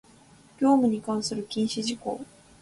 業務に関する禁止事項